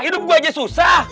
hidup gue aja susah